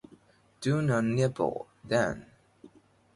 Do one nibble, then.